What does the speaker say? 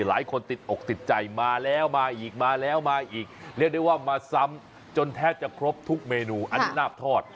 หลายคนติดอกติดใจมาแล้วมาอีกเรียกได้ว่ามาซ้ำจนแทบจะครบทุกเมนูนะ๕๙๒๐๐๑๐๐๑